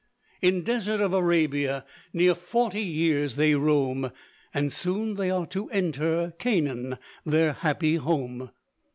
In desert of Arabia, Near forty years they roam; And soon they are to enter "Canaan their happy home."